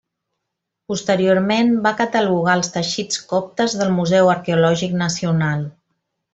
Posteriorment, va catalogar els teixits coptes del Museu Arqueològic Nacional.